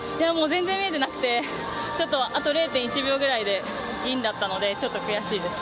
全然見えてなくてちょっと、あと０．１秒ぐらいで銀だったのでちょっと悔しいです。